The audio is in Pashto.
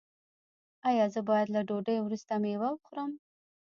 ایا زه باید له ډوډۍ وروسته میوه وخورم؟